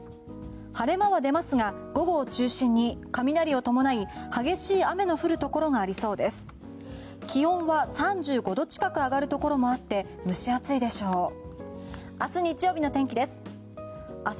晴れ間は出ますが午後を中心に雷を伴い激しい雨の降るところがありそうです。